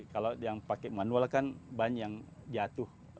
kalau yang pakai manual kan banyak jatuh